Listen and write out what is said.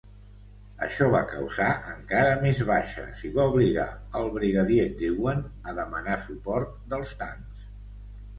Això va causar encara més baixes i va obligar el Brigadier Dewan a demanar suport dels tancs.